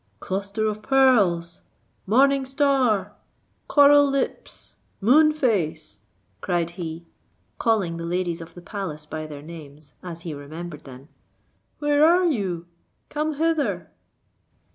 "Cluster of Pearls! Morning Star! Coral Lips! Moon Face!" cried he, calling the ladies of the palace by their names, as he remembered them; "where are you? come hither."